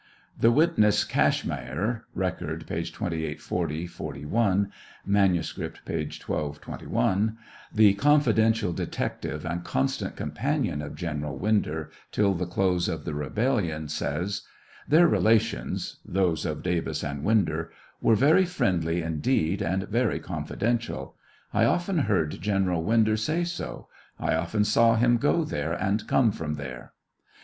The witness Cashmeyer, (Record, p. 2840 '41 ; manuscript, p. 1221,) the con •fidential detective and constant companion of General Winder till the close of the rebellion, says : Their relations (those of Davis and Winder) were very friendly indeed, and very confi dential; I often heard General Winder say so ; I often saw him go there and come from there.